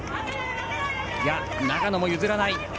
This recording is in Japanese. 長野も譲らない。